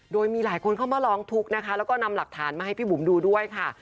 โดยมีหลายคนเข้ามาร้องทุกข์นะคะแล้วก็นำหลักฐานมาให้พี่บุ๋มดูด้วยค่ะ